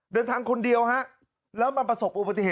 เดินทางคนเดียวแล้วมาประสบคุณพระที่ห่ะ